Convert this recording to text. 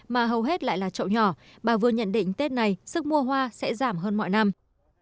mà hầu hết lại là trậu nhỏ bà vương nhận định tết này sức mua hoa sẽ giảm hơn mọi năm